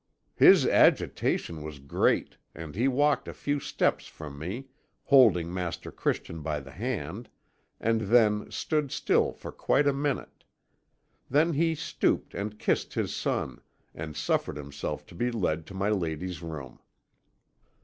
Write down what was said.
"His agitation was great, and he walked a few steps from me, holding Master Christian by the hand, and then stood still for quite a minute. Then he stooped and kissed his son, and suffered himself to be led to my lady's room.